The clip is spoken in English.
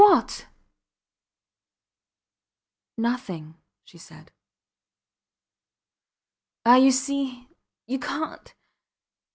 What? ... Nothing, she said. Ah! You see ... you cant